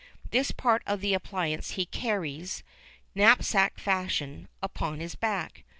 This part of the appliance he carries, knapsack fashion, upon his back.